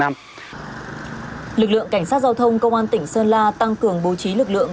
lực lượng cảnh sát giao thông công an tỉnh sơn la tăng cường bố trí lực lượng